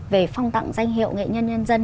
về phong tặng danh hiệu nghệ nhân nhân dân